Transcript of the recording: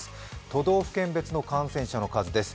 都道府県別の感染者の数です。